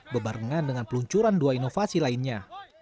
bebarengan dengan peluncuran dua inovasi lainnya